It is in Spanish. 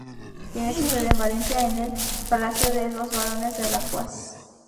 Tiene su sede en Valencia, en el palacio de los Barones de Alacuás.